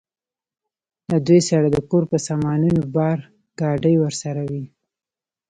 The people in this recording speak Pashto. له دوی سره د کور په سامانونو بار، ګاډۍ ورسره وې.